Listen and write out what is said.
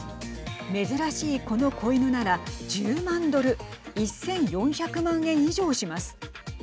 珍しいこの子犬なら１０万ドル１４００万円以上します。